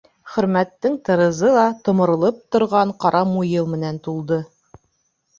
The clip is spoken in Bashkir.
Хөрмәттең тырызы ла томоролоп торған ҡара муйыл менән тулды.